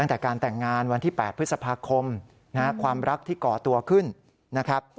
ตั้งแต่การแต่งงานวันที่๘พฤษภาคมความรักที่ก่อตัวขึ้นนะครับ